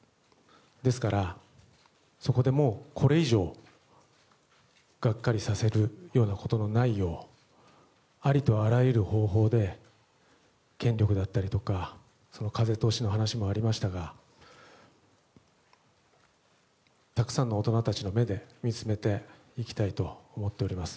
ですから、これ以上がっかりさせるようなことのないようありとあらゆる方法で権力だったりとか風通しの話もありましたがたくさんの大人たちの目で見つめていきたいと思っております。